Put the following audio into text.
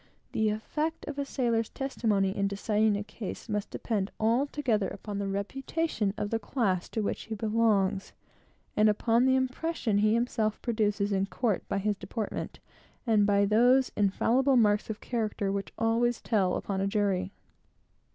The effect of a sailor's testimony in deciding a case must depend altogether upon the reputation of the class to which he belongs, and upon the impression he himself produces in court by his deportment, and by those infallible marks of character which always tell upon a jury.